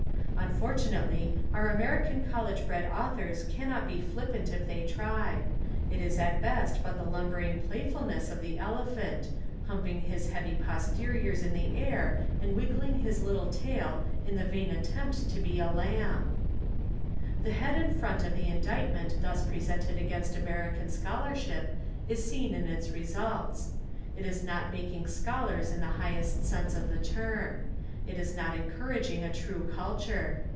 Unfortunately our American college bred authors cannot be flippant if they try: it is at best but the lumber ing playfulness of the elephant, humping his heavy posteriors in the air and wiggling his little tail in the vain attempt to be a lamb. The head and front of the indictment thus presented against American scholarship is seen in its results. It is not making scholars in the highest sense of the term. It is not encourag 86 Literature and Education in America ing a true culture.